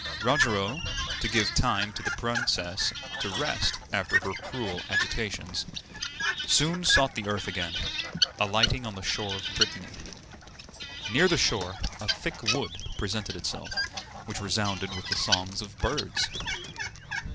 Rogero, to give time to the princess to rest after her cruel agitations, soon sought the earth again, alighting on the shore of Brittany. Near the shore a thick wood presented itself, which resounded with the songs of birds.